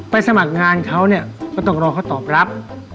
ไปสมัครงานเขานะต้องร้องเขาตอบรับ